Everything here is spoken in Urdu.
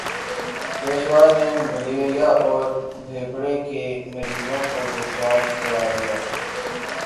پیشوا نے ملیریا اور پھیپھڑے کے مریضوں کو ڈسچارج کرا دیا